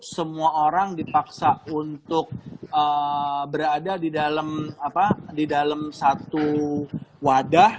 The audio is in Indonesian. semua orang dipaksa untuk berada di dalam satu wadah